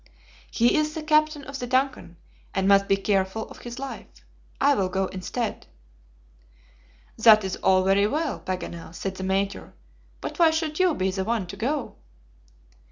He is the captain of the DUNCAN, and must be careful of his life. I will go instead." "That is all very well, Paganel," said the Major; "but why should you be the one to go?"